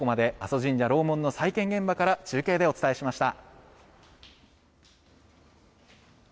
ここまで阿蘇神社楼門の再建現場から中継でお伝えしました。